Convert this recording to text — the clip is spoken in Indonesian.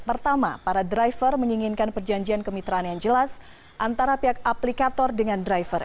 pertama para driver menginginkan perjanjian kemitraan yang jelas antara pihak aplikator dengan driver